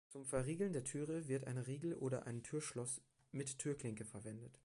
Zum Verriegeln der Türe wird ein Riegel oder ein Tür-Schloss mit Türklinke verwendet.